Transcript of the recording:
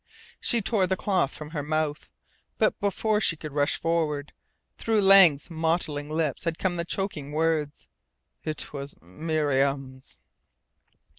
She tore the cloth from her mouth, but before she could rush forward, through Lang's mottling lips had come the choking words: "It was Miriam's."